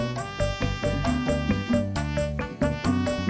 saya juga denger